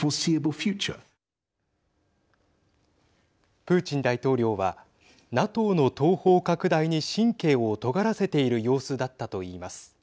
プーチン大統領はＮＡＴＯの東方拡大に神経をとがらせている様子だったと言います。